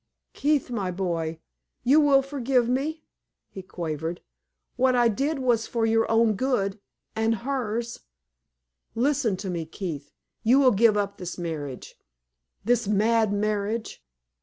"Keith, my boy, you will forgive me?" he quavered. "What I did was for your good and hers. Listen to me, Keith. You will give up this marriage this mad marriage?